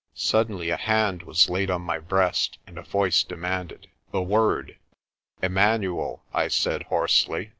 Suddenly a hand was laid on my breast, and a voice de manded, "The word?' "Immanuel," I said hoarsely.